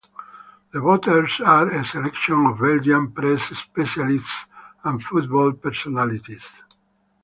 The voters are a selection of Belgian press specialists and football personalities.